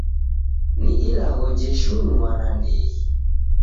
Ni ilagho jeshinua nandighi.